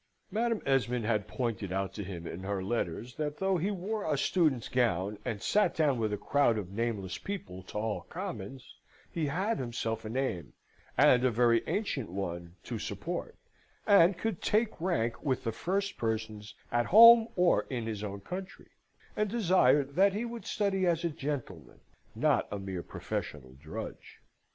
Madam Esmond had pointed out to him in her letters that though he wore a student's gown, and sate down with a crowd of nameless people to hall commons, he had himself a name, and a very ancient one, to support, and could take rank with the first persons at home or in his own country; and desired that he would study as a gentleman, not a mere professional drudge.